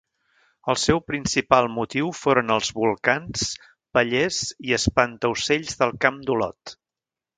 El seu principal motiu foren els volcans, pallers i espantaocells del camp d'Olot.